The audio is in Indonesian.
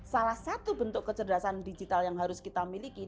salah satu bentuk kecerdasan digital yang harus kita miliki